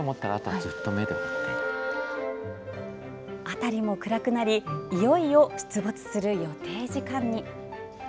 辺りも暗くなりいよいよ出没する予定時間に。